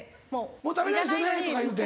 もう食べないですよねとか言うて。